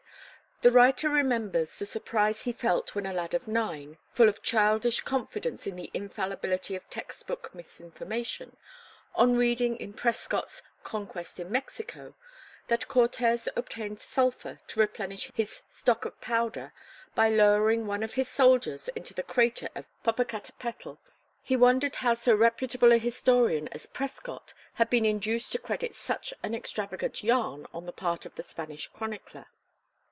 _) The writer remembers the surprise he felt when a lad of nine, full of childish confidence in the infallibility of text book misinformation, on reading in Prescott's "Conquest in Mexico" that Cortez obtained sulphur to replenish his stock of powder by lowering one of his soldiers into the crater of Popocatepetl. He wondered how so reputable a historian as Prescott had been induced to credit such an extravagant "yarn" on the part of the Spanish chronicler.